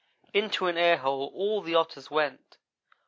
into an air hole all the Otters went.